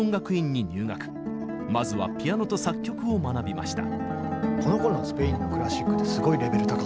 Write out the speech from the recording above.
まずはピアノと作曲を学びました。